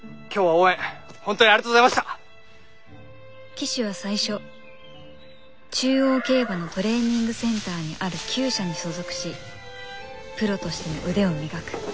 騎手は最初中央競馬のトレーニングセンターにある厩舎に所属しプロとしての腕を磨く。